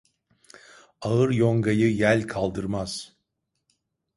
Ağır yongayı yel kaldırmaz.